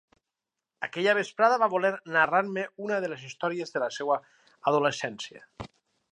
Aquella vesprada va voler narrar-me una de les històries de la seua adolescència.